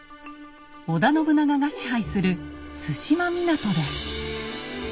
織田信長が支配する津島湊です。